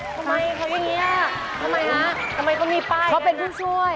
ทำไมเขาเป็นอย่างนี้ล่ะทำไมล่ะทำไมเขามีป้ายอย่างนั้นเขาเป็นผู้ช่วย